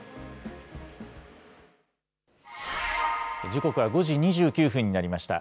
時刻は５時２９分になりました。